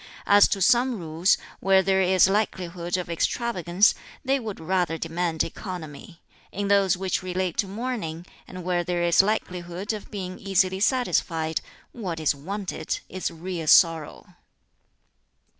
As to some rules, where there is likelihood of extravagance, they would rather demand economy; in those which relate to mourning, and where there is likelihood of being easily satisfied, what is wanted is real sorrow."